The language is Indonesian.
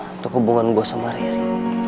untuk hubungan aku sama riri